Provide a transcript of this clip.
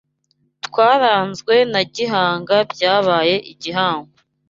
Twarazwe na Gihanga Byabaye igihango